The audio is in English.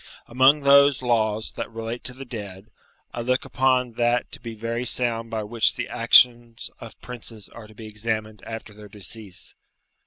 Amongst those laws that relate to the dead, I look upon that to be very sound by which the actions of princes are to be examined after their decease.